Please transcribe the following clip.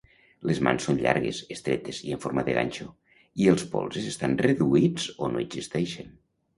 Les mans són llargues, estretes i en forma de ganxo, i els polzes estan reduïts o no existeixen.